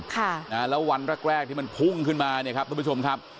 ค่ะนะแล้ววันแรกแรกที่มันพุ่งขึ้นมาเนี่ยครับทุกผู้ชมครับ